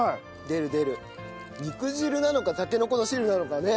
肉汁なのかたけのこの汁なのかね。